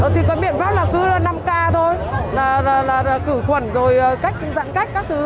thì có biện pháp là cứ năm k thôi là khử khuẩn rồi cách dặn cách các thứ